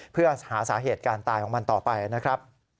เพื่อหาสาเหตุการตายของมันต่อไปนะครับ